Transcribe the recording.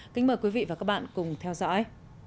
kính mời quý vị và các bạn cùng theo dõi